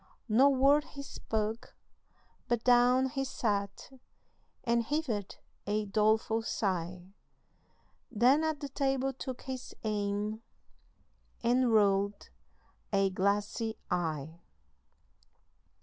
No word he spake, but down he sat, And heaved a doleful sigh, Then at the table took his aim And rolled a glassy eye.